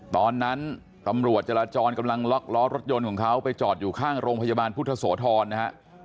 ตอนนั้นตำรวจจราจรกำลังล็อกล้อรถยนต์ของเขาไปจอดอยู่ข้างโรงพยาบาลพุทธโสธรนะฮะ